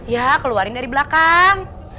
ya keluarin dari belakang